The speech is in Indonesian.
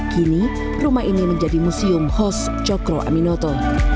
kini rumah ini menjadi museum hos cokro aminoto